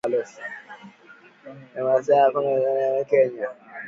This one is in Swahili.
Demokrasia ya Kongo inashirikiana mipaka na nchi zote za Afrika Mashariki isipokuwa Kenya